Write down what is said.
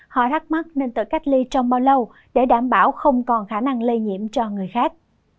họ thắc mắc nên tự cách ly trong bao lâu để đảm bảo không còn khả năng lây nhiễm cho người khác